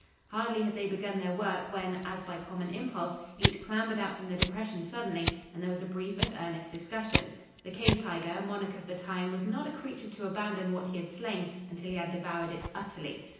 Hardly had they begun their work, when, as by common impulse, each clambered out from the depression suddenly, and there was a brief and earnest discussion. The cave tiger, monarch of the time, was not a creature to abandon what he had slain until he had devoured it utterly.